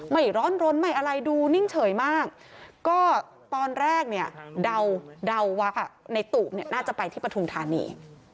ไม่ร้อนรนไม่อะไรดูนิ่งเฉยมากก็ตอนแรกเนี่ยเดาว่าในตูบเนี่ยน่าจะไปที่ปฐุมธานี